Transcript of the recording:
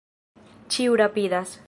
Ĉiu rapidas.